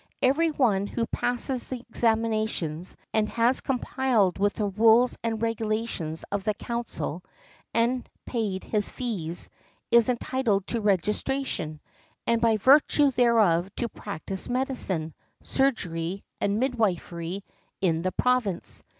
Every one who passes the examinations and has complied with the rules and regulations of the council, and paid his fees, is entitled to registration, and by virtue thereof to practise medicine, surgery and midwifery in the Province.